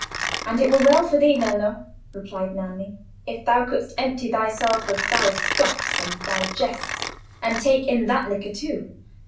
"And it were well for thee, Nello," replied Nanni, "if thou couldst empty thyself of thy scoffs and thy jests, and take in that liquor too.